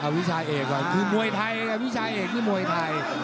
วิชาเอกก่อนคือมวยไทยวิชาเอกนี่มวยไทย